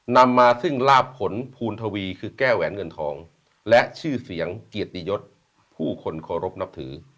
นำมาซึ่งลาบผลภูณทวีคือแก้แหวนเงินทองและชื่อเสียงเกียรติยศผู้คนเคารพนับถือ